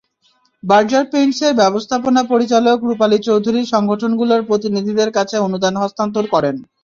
Berger পেইন্টসের ব্যবস্থাপনা পরিচালক রূপালী চৌধুরী সংগঠনগুলোর প্রতিনিধিদের কাছে অনুদান হস্তান্তর করেন।